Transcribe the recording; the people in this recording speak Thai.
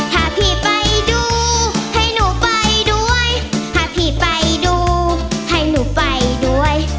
ถ้าพี่ไปดูให้หนูไปด้วยถ้าพี่ไปดูให้หนูไปด้วย